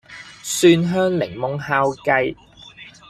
蒜香檸檬烤雞